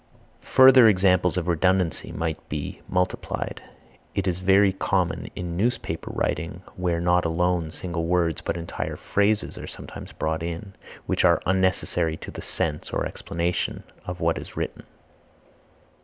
Further examples of redundancy might be multiplied. It is very common in newspaper writing where not alone single words but entire phrases are sometimes brought in, which are unnecessary to the sense or explanation of what is written.